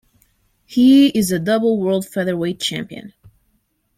He is a double world featherweight champion.